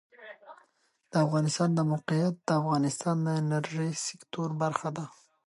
د افغانستان د موقعیت د افغانستان د انرژۍ سکتور برخه ده.